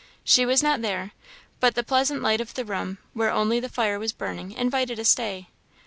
She was not there; but the pleasant light of the room, where only the fire was burning, invited a stay.